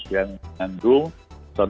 yang mengandung satu zat